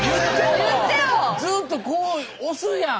ずっとこう押すやん！